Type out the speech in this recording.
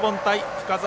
深沢